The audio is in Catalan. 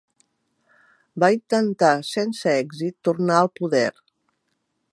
Va intentar sense èxit tornar al poder.